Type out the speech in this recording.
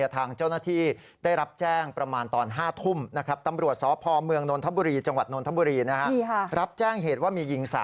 ทางเจ้าหน้าที่ได้รับแจ้งประมาณตอน๕ทุ่มนะครับ